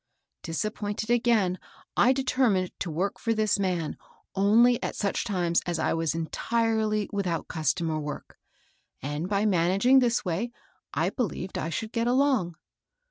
Disappointed again, I de termined to work for this man only at such times as I was entirely without customer work ; and by managing this way, I believed I should get along.